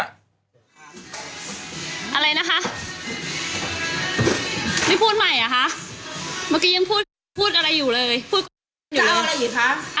อะไรนะคะนี่พูดใหม่ไหมคะ